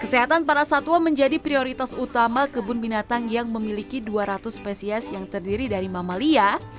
kesehatan para satwa menjadi prioritas utama kebun binatang yang memiliki dua ratus spesies yang terdiri dari mamalia